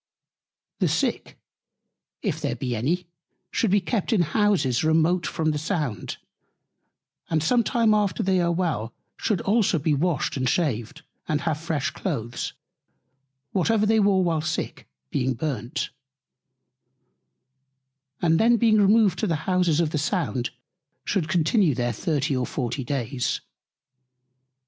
The Sick, if there be any, should be kept in Houses remote from the Sound; and some time after they are well, should also be washed and shaved, and have fresh Cloaths; whatever they wore while Sick being burnt: And then being removed to the Houses of the Sound, should continue there 30 or 40 days.